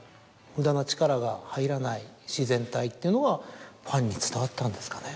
無駄な力が入らない自然体っていうのがファンに伝わったんですかね。